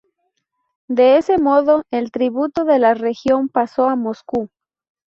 De ese modo, el tributo de la región pasó a Moscú.